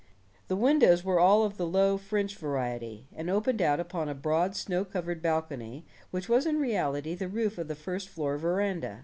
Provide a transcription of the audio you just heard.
The windows were all of the low French variety, and opened out upon a broad snow covered balcony which was in reality the roof of the first floor veranda.